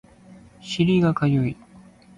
尻がかゆい